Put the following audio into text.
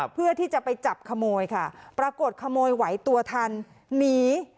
เพื่อที่จะไปจับขโมยค่ะปรากฏขโมยไหวตัวทันหนี